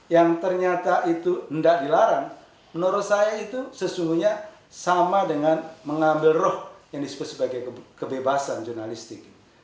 yang ternyata itu tidak dilarang menurut saya itu sesungguhnya sama dengan mengambil roh yang disebut sebagai kebebasan jurnalistik